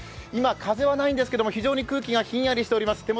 今、風はないんですけども、非常に空気がひんやりしております。